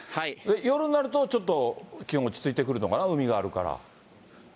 夜になると、ちょっと気温が落ち着いてくるのかな、海があるから。